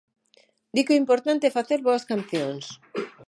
Di que o importante é facer boas cancións.